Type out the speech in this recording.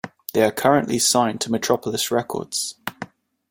They are currently signed to Metropolis Records.